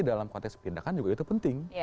dalam konteks pindahkan juga itu penting